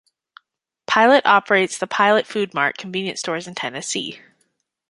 Pilot operates the Pilot Food Mart convenience stores in Tennessee.